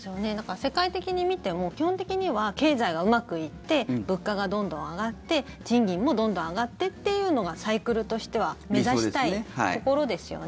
世界的に見ても基本的には経済がうまくいって物価がどんどん上がって賃金もどんどん上がってっていうのがサイクルとしては目指したいところですよね。